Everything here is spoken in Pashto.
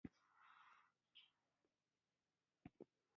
د ادب خبرې غوږ ته ښکلي وي.